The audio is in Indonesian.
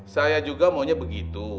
saya juga maunya begitu